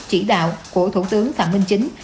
chỉ đạo của thủ tướng phạm minh chính